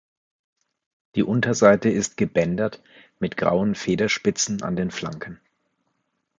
Die Unterseite ist gebändert mit grauen Federspitzen an den Flanken.